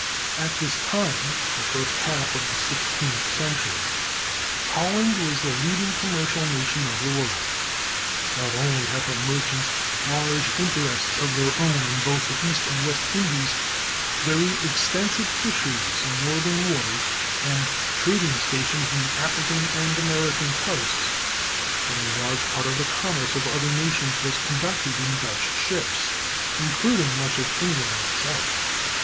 At this time—the first half of the sixteenth century—Holland was the leading commercial nation of the world. Not only had her merchants large interests of their own in both the East and West Indies, very extensive fisheries in northern waters, and trading stations in the African and American coasts, but a large part of the commerce of other nations was conducted in Dutch ships, including much of England itself.